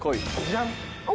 ジャン。